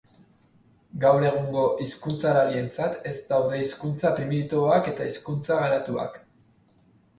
Gaur egungo hizkuntzalarientzat ez daude hizkuntza primitiboak eta hizkuntza garatuak.